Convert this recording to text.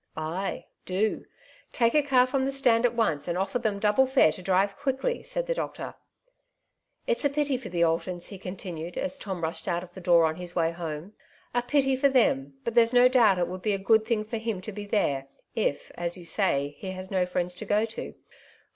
"Aj, do; take a car from the stand at once, aad offer them doable (are to drive quickly," bslH the docU/r, ''Ifs a pity for the Alv>n«," he continued, as Tom mdied out of the door on his war hoiae, — "a pity tear them, but there'* i;o dc/ubt it w<>nid be a good thing for Liia xo be xher^, ;£, a« jou saj, he La$ no friends to go to ; for 3Irg.